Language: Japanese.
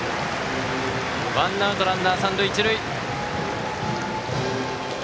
ワンアウト、ランナー、三塁一塁。